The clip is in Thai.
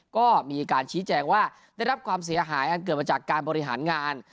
ก็มีการชี้แจงว่าได้รับความเสียหายอันเกิดมาจากการบริหารงาน